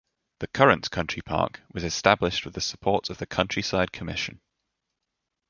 The current country park was established with the support of the Countryside Commission.